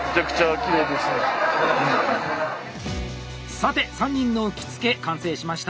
さて３人の着付完成しました！